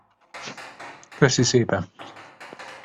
Köszi szépen.